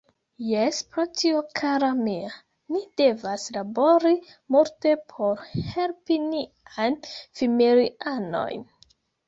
Jes, pro tio kara mia, ni devas labori multe por helpi niajn familianojn.